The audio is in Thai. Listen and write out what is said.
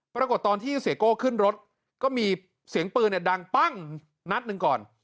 ปรากฏตอนที่เสียโก้ขึ้นรถก็มีเสียงปืนดังปั้งนัดหนึ่งก่อน